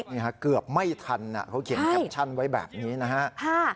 นี่ฮะเกือบไม่ทันเขาเขียนแคปชั่นไว้แบบนี้นะฮะ